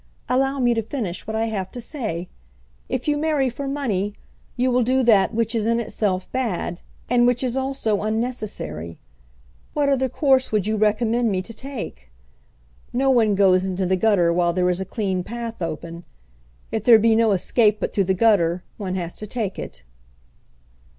"Allow me to finish what I have to say. If you marry for money you will do that which is in itself bad, and which is also unnecessary. What other course would you recommend me to take? No one goes into the gutter while there is a clean path open. If there be no escape but through the gutter, one has to take it."